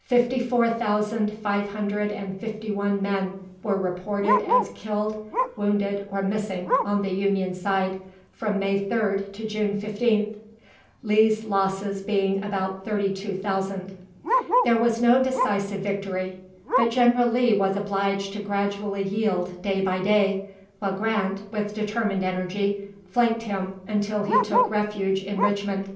Fifty four thousand five hundred and fifty one men were reported as killed, wounded, or missing on the Union side, from May 3rd to June 15th; Lee's losses being about 32,000. There was no decisive victory, but General Lee was obliged to gradually yield day by day, while Grant, with determined energy, flanked him until he took refuge in Richmond.